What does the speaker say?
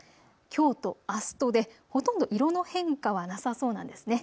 きょうとあすとでほとんど色の変化はなさそうなんですね。